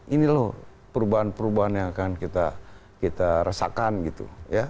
ini loh perubahan perubahan yang akan kita rasakan gitu